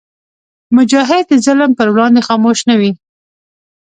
مجاهد د ظلم پر وړاندې خاموش نه وي.